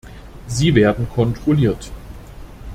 Sie werden kontrolliert.